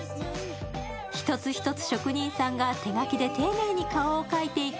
一つ一つ職人さんが手書きで丁寧に顔を描いていく